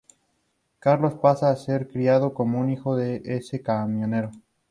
Carlos pasa a ser criado como hijo de ese camionero.